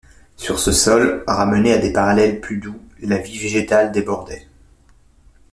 Sur ce sol, ramené à des parallèles plus doux, la vie végétale débordait.